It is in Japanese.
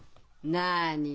なに？